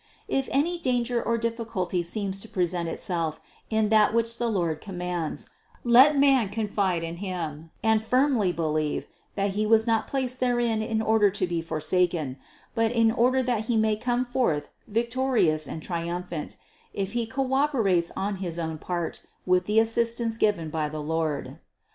If any danger or difficulty seems to THE CONCEPTION 575 present itself in that which the Lord commands, let man confide in Him and firmly believe that he was not placed therein in order to be forsaken, but in order that he may come forth victorious and triumphant, if he co operates on his own part with the assistance given by the Lord.